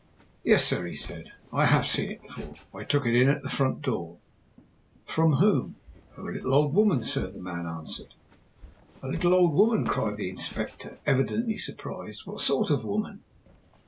"Yes, sir," he said, "I have seen it before; I took it in at the front door." "From whom?" "From a little old woman, sir," the man answered. "A little old woman!" cried the Inspector, evidently surprised. "What sort of woman?"